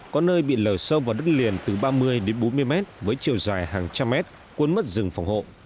có nơi bị lở sâu vào đất liền từ ba mươi đến bốn mươi mét với chiều dài hàng trăm mét cuốn mất rừng phòng hộ